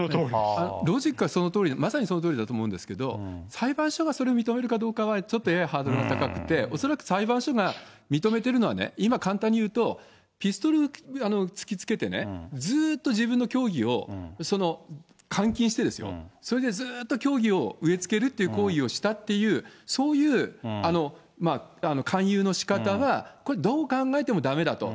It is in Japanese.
ロジックはそのとおり、まさにそのとおりだと思うんですけど、裁判所がそれを認めるかどうかは、ちょっとややハードルが高くて、恐らく裁判所が認めてるのはね、今簡単に言うと、ピストル突きつけてね、ずっと自分の教義を、その監禁してですよ、それでずーっと教義を植えつけるって行為をしたっていう、そういう勧誘のしかたは、これ、どう考えてもだめだと。